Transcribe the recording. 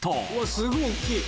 すごい大っきい。